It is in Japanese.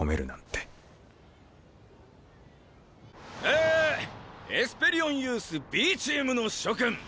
えエスペリオンユースＢチームの諸君！